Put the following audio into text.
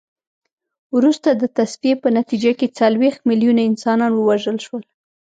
وروسته د تصفیې په نتیجه کې څلوېښت میلیونه انسانان ووژل شول.